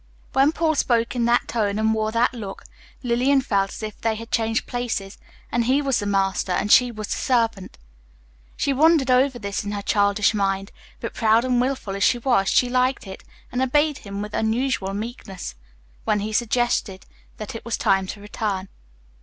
When Paul spoke in that tone and wore that look, Lillian felt as if they had changed places, and he was the master and she the servant. She wondered over this in her childish mind, but proud and willful as she was, she liked it, and obeyed him with unusual meekness when he suggested that it was time to return.